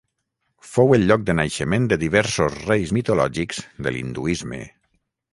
Fou el lloc de naixement de diversos reis mitològics de l'hinduisme.